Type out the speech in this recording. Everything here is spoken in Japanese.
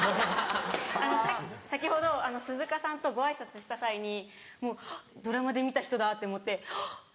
先ほど鈴鹿さんとご挨拶した際にドラマで見た人だって思ってはっ！